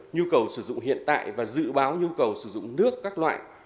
nhu cầu sử dụng hiện tại và dự báo nhu cầu sử dụng nước các loại